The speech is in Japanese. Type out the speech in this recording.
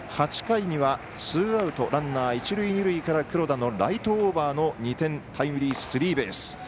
８回にはツーアウトランナー、一塁二塁から黒田のライトオーバーの２点タイムリースリーベース。